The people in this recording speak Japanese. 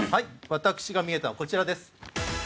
私がみえたのは、こちらです。